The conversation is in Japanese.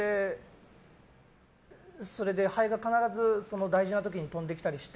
ハエが必ず大事な時に飛んできたりして。